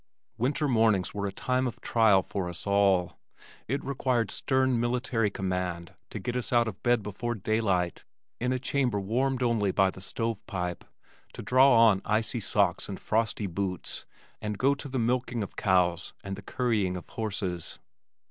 Winter mornings were a time of trial for us all. It required stern military command to get us out of bed before daylight, in a chamber warmed only by the stove pipe, to draw on icy socks and frosty boots and go to the milking of cows and the currying of horses.